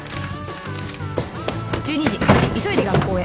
１２時急いで学校へ